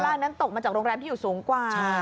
อันนั้นตกมาจากโรงแรมที่อยู่สูงกว่า